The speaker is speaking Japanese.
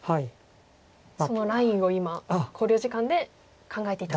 そのラインを今考慮時間で考えていたと。